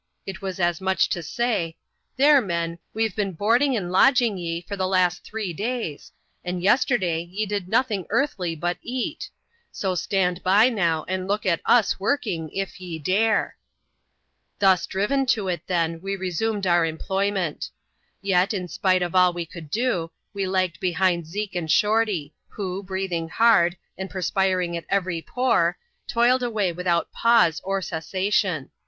It was as much as to say, " There, men, we've been boarding and lodg ing ye for the last three days ; and yesterday ye did nothing earthly but eat ; so stand by now, and look at us working, if ye dare." Thus driven to^it, then, we resumed our employ ment. Yet, in spite of all we could do, we lagged behind Zeke and Shorty, who, breathing hard, and perspiring at every pore, toiled away without pause or cessation.